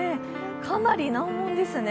かなり難問ですね。